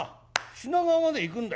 品川まで行くんだ。